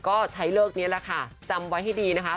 ก็ใช้เลิกนี้แหละค่ะจำไว้ให้ดีนะคะ